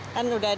kan sudah ada